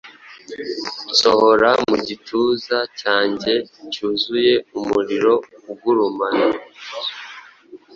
Nsohora mu gituza cyanjye cyuzuye umuriro ugurumana,